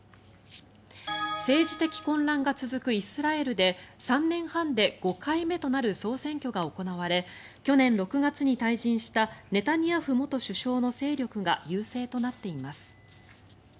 政治的混乱が続くイスラエルで３年半で５回目となる総選挙が行われ去年６月に退陣したネタニヤフ元首相の勢力が優勢となっています。